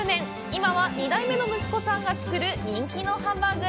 今は２代目の息子さんが作る人気のハンバーグ。